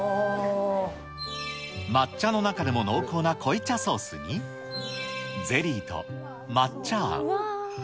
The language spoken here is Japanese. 抹茶の中でも濃厚な濃茶ソースにゼリーと抹茶あん。